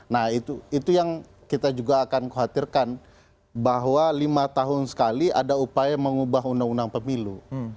nah itu yang kita juga akan khawatirkan bahwa lima tahun sekali ada upaya mengubah undang undang pemilu